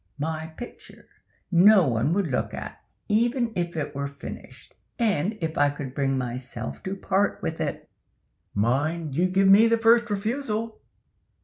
My picture no one would look at, even if it were finished, and if I could bring myself to part with it." "Mind, you give me the first refusal."